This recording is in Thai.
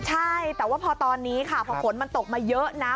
ใช่แต่ว่าพอตอนนี้ค่ะพอฝนมันตกมาเยอะนะ